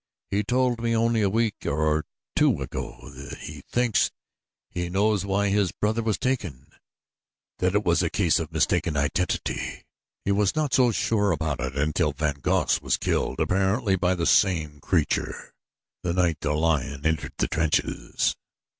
"He told me only a week or two ago that he thinks he knows why his brother was taken that it was a case of mistaken identity. He was not so sure about it until von Goss was killed, apparently by the same creature, the night the lion entered the trenches.